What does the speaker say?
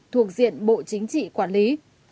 thuộc diện bộ chính trị quản lý